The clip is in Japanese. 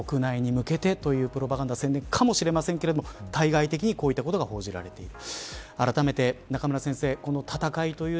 国内に向けてというプロパガンダ戦略かもしれませんが対外的にこういったことが報じられている。